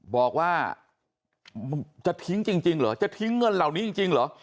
บอกว่าจะทิ้งจริงเหรอจะทิ้งเงินเหล่านี้จริงเหรอ